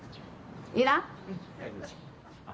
いらん？